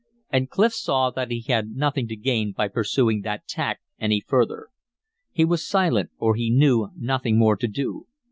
And Clif saw that he had nothing to gain by pursuing that tack any further; he was silent, for he knew nothing more to do.